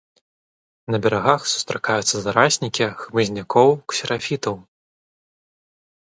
На берагах сустракаюцца зараснікі хмызнякоў-ксерафітаў.